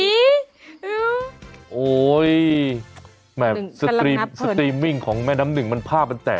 หยิหือโอ้ยเหมือนสตรีมสสรีรมิ่งของแม่น้ำ๑มันภาพมันแตก